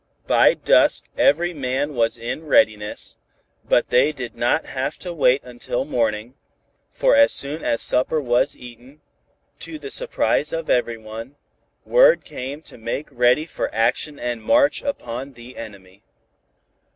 By dusk every man was in readiness, but they did not have to wait until morning, for as soon as supper was eaten, to the surprise of everyone, word came to make ready for action and march upon the enemy.